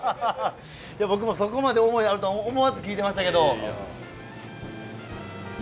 いや僕もそこまで思いあるとは思わず聞いてましたけど。